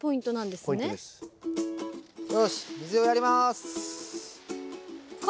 よし水をやります。